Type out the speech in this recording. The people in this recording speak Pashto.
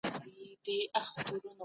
آیا ژوندپوهنه یوازې د ډاکټرانو لپاره ده؟